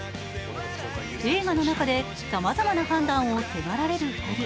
映画の中でさまざまな判断を迫られる２人。